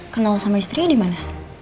kenal sama istrinya dimana